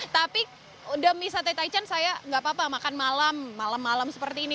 tapi demi sate taichan saya nggak apa apa makan malam malam seperti ini